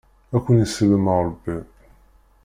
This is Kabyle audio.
Ad ken-isellem Rebbi.